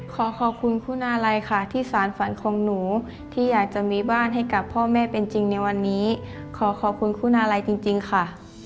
ขอขอบคุณคุณาลัยค่ะที่สารฝันของหนูที่อยากจะมีบ้านให้กับพ่อแม่เป็นจริงในวันนี้ขอขอบคุณคุณาลัยจริงค่ะ